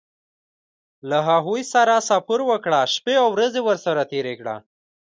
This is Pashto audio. له هغوی سره سفر وکړه شپې او ورځې ورسره تېرې کړه.